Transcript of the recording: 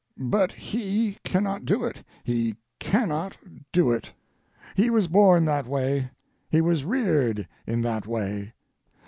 But he cannot do it, he cannot do it. He was born that way, he was reared in that way.